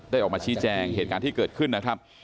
ออกมาชี้แจงเหตุการณ์ที่เกิดขึ้นนะครับ